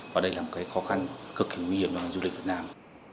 và đây là một khó khăn cực kỳ nguy hiểm cho doanh nghiệp việt nam